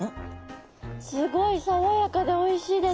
すごい爽やかでおいしいです。